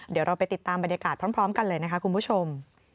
เดี๋ยวเราไปติดตามบรรยากาศพร้อมกันเลยนะคะคุณผู้ชม